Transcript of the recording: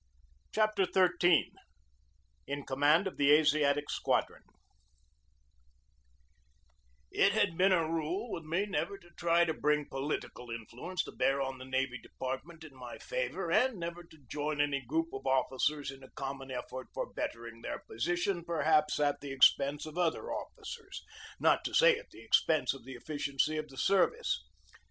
CHAPTER XIII IN COMMAND OF THE ASIATIC SQUADRON IT had been a rule with me never to try to bring political influence to bear on the Navy Department in my favor and never to join any group of officers in a common effort for bettering their position per haps at the expense of other officers, not to say at the expense of the efficiency of the service.